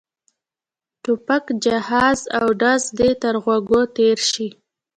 ټوپک جهاز او ډز دې تر غوږو تېر شي.